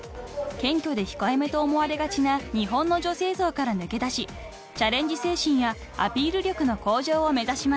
［謙虚で控えめと思われがちな日本の女性像から抜け出しチャレンジ精神やアピール力の向上を目指します］